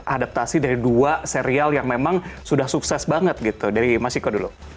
adaptasi dari dua serial yang memang sudah sukses banget gitu dari mas iko dulu